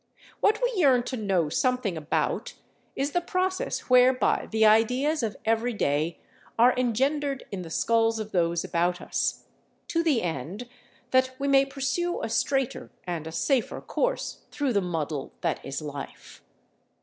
What we yearn to know something about is the process whereby the ideas of everyday are engendered in the skulls of those about us, to the end that we may pursue a straighter and a safer course through the muddle that is life.